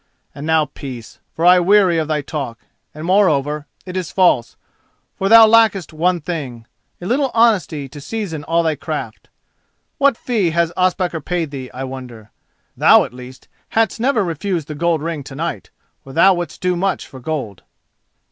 And now peace, for I weary of thy talk, and, moreover, it is false; for thou lackest one thing—a little honesty to season all thy craft. What fee has Ospakar paid thee, I wonder. Thou at least hadst never refused the gold ring to night, for thou wouldst do much for gold."